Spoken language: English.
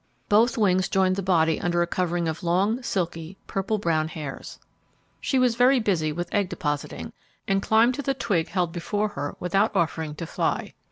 Both wings joined the body under a covering of long, silky, purple brown hairs. She was very busy with egg depositing, and climbed to the twig held before her without offering to fly.